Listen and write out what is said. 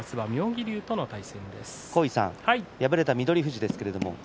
敗れた翠富士です。